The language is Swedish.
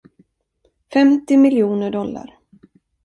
Femtio miljoner dollar.